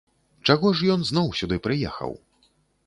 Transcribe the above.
Чаго ж ён зноў сюды прыехаў?